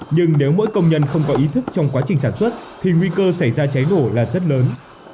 nhưng nếu mỗi công nhân không có ý thức trong quá trình sản xuất thì nguy cơ xảy ra cháy nổ là rất lớn